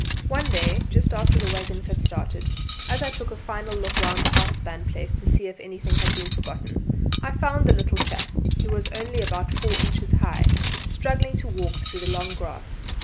One day just after the waggons had started, as I took a final look round the outspan place to see if anything had been forgotten, I found the little chap who was only about four inches high struggling to walk through the long grass.